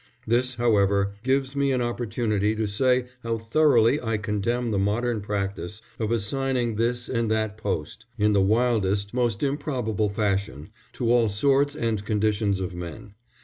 This, however, gives me an opportunity to say how thoroughly I condemn the modern practice of assigning this and that post, in the wildest, most improbable fashion, to all sorts and conditions of men.